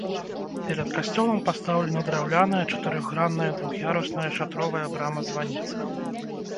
Перад касцёлам пастаўлена драўляная чатырохгранная двух'ярусная шатровая брама-званіца.